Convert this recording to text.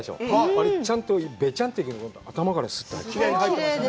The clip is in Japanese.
あれ、ちゃんと、べちゃんって行くのかと思ったら、きれいに入ったよね。